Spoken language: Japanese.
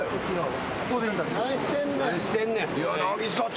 何してんねん。